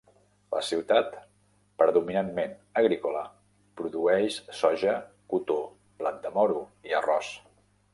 La ciutat, predominantment agrícola, produeix soja, cotó, blat de moro i arròs.